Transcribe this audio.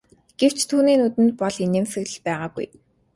Гэвч түүний нүдэнд бол инээмсэглэл байгаагүй.